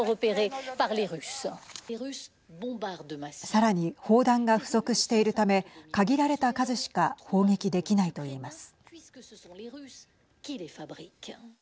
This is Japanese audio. さらに砲弾が不足しているため限られた数しか砲撃できないといいます。